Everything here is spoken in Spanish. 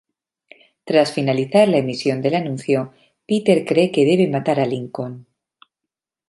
Tras finalizar la emisión del anuncio, Peter cree que debe matar a Lincoln.